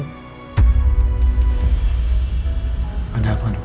serius mengenai anak bapak dan ibu andi